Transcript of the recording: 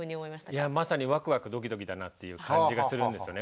いやまさにワクワクドキドキだなっていう感じがするんですよね